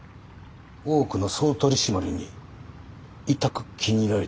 大奥の総取締にいたく気に入られたようで。